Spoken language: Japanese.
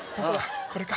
これか。